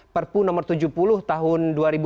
perpu nomor tujuh puluh tahun dua ribu dua puluh